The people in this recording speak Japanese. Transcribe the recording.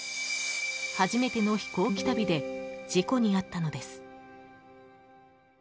初めての飛行機旅で事故に遭ったのです。